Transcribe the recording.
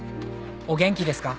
お元気ですか？」